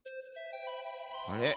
あれ？